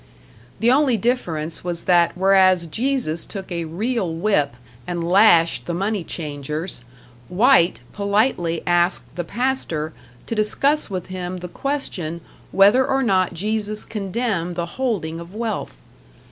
The only difference was that whereas Jesus took a real whip and lashed the money changers, White politely asked the pastor to discuss with him the question whether or not Jesus condemned the holding of wealth.